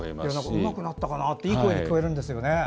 うまくなったかなっていい声に聴こえるんですよね。